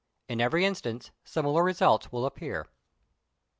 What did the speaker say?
In every instance similar results will appear.